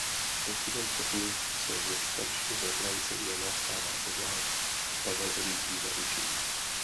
Postupem času se ze staršího bratrance Jana stává sedlák a Pavel odjíždí na učení.